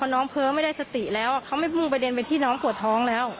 น้องเพ้อไม่ได้สติแล้วเขาไม่พุ่งประเด็นไปที่น้องปวดท้องแล้ว